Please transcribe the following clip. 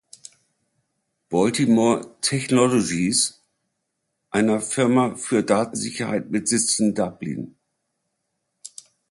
Baltimore Technologies, einer Firma für Datensicherheit mit Sitz in Dublin.